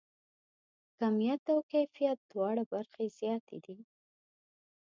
کیمیت او کیفیت دواړه برخې زیاتې دي.